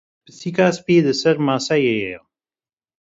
Pisîka spî li ser maseyê ye.